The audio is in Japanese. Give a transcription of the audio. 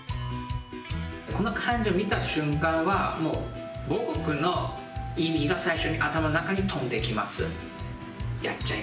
この漢字を見た瞬間はもう母国の意味が最初に頭の中に飛んできます。